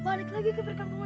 balik lagi ke terrekan pake